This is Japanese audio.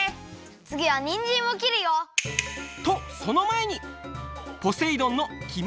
つぎはにんじんをきるよ。とそのまえに！